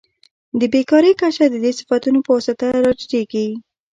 د بیکارۍ کچه د دې صنعتونو په واسطه راټیټیږي.